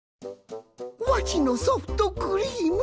わしのソフトクリーム！